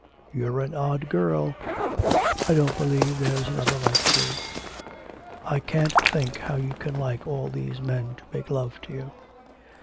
'You're an odd girl; I don't believe there's another like you.' 'I can't think how you can like all these men to make love to you.'